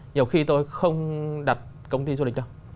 nhiều khi tôi không đặt công ty du lịch đâu